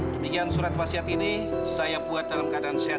demikian surat wasiat ini saya buat dalam keadaan sehat